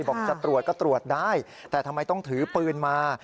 บอกจะตรวจก็ตรวจได้แต่ทำไมต้องถือปืนมา